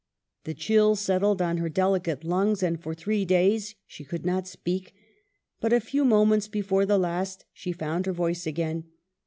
The chill settled on her delicate lungs, and for three days she could not speak ; but a few moments before the last she found her voice again.